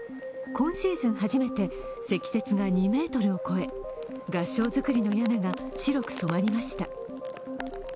今シーズン初めて積雪が２ｍを超え、合掌造りの屋根が白く染まりました。